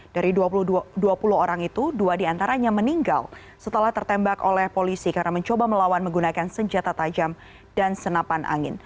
dari dua puluh orang itu dua diantaranya meninggal setelah tertembak oleh polisi karena mencoba melawan menggunakan senjata tajam dan senapan angin